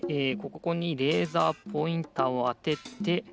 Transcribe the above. ここにレーザーポインターをあてて。